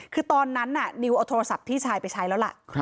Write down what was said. คือตอนนั้นน่ะนิวเอาโทรศัพท์พี่ชายไปใช้แล้วล่ะ